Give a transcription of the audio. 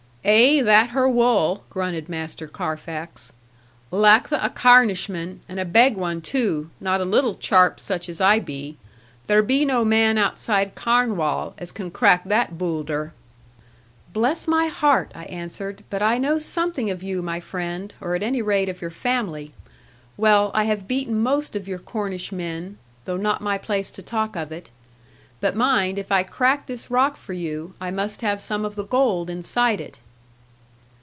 'Ay, that her wull,' grunted Master Carfax; 'lack'th a Carnishman, and a beg one too, not a little charp such as I be. There be no man outside Carnwall, as can crack that boolder.' 'Bless my heart,' I answered; 'but I know something of you, my friend, or at any rate of your family. Well, I have beaten most of your Cornish men, though not my place to talk of it. But mind, if I crack this rock for you, I must have some of the gold inside it.'